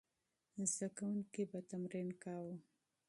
زده کوونکي به تمرین کاوه.